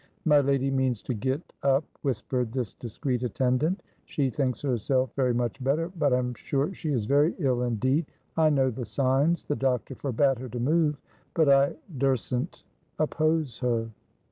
"My lady means to get up," whispered this discreet attendant. "She thinks herself very much better, but I am sure she is very ill indeed. I know the signs. The doctor forbade her to move, but I durstn't oppose her."